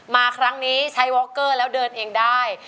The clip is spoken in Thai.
มาครั้งนี้ใช้วอคเกอร์แล้วเดินเองได้